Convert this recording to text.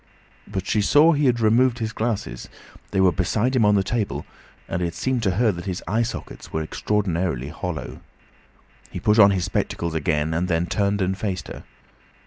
But she saw he had removed his glasses; they were beside him on the table, and it seemed to her that his eye sockets were extraordinarily hollow. He put on his spectacles again, and then turned and faced her.